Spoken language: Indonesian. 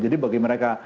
jadi bagi mereka